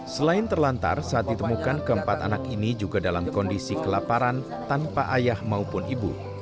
selain terlantar saat ditemukan keempat anak ini juga dalam kondisi kelaparan tanpa ayah maupun ibu